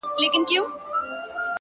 • سیاه پوسي ده ـ جنگ دی جدل دی ـ